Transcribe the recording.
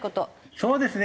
そうですね